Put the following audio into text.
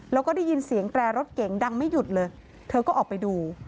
แล้วก็ได้ยินเสียงแตรรถเก๋งดังไม่หยุดเลยเธอก็ออกไปดู